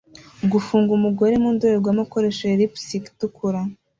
gufunga umugore mu ndorerwamo akoresha lipstick itukura